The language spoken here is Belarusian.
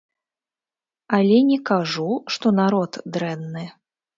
Але не кажу, што народ дрэнны.